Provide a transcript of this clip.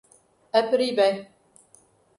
Aperibé